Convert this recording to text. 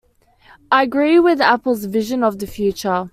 I agree with Apple's vision of the future.